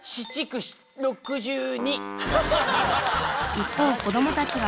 一方子どもたちは